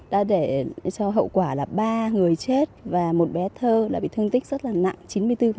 đã để cho hậu quả là ba người chết và một bé thơ bị thương tích rất là nặng